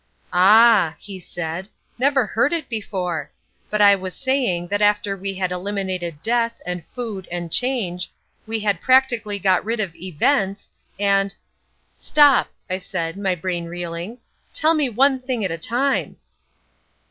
"Ah," he said, "never heard it before. But I was saying that after we had eliminated Death, and Food, and Change, we had practically got rid of Events, and—" "Stop!" I said, my brain reeling. "Tell me one thing at a time."